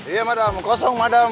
iya madam kosong madam